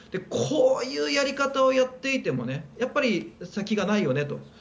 こういうやり方をやっていてもやっぱり先がないよねと。